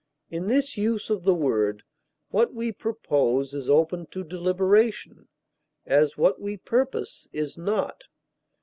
In this use of the word, what we propose is open to deliberation, as what we purpose is not.